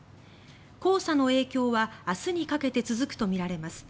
黄砂の影響は明日にかけて続くとみられます。